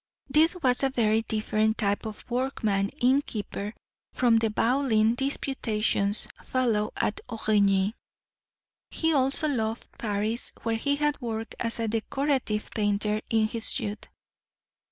This was a very different type of the workman innkeeper from the bawling disputatious fellow at Origny. He also loved Paris, where he had worked as a decorative painter in his youth.